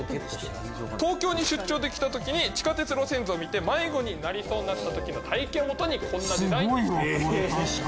東京に出張で来た時に地下鉄路線図を見て迷子になりそうになった時の体験を基にこんなデザインに作ったそうです。